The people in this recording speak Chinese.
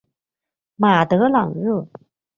马德朗热。